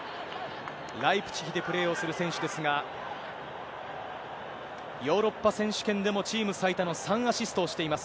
ライプツィヒでプレーをする選手ですが、ヨーロッパ選手権でもチーム最多の３アシストをしています。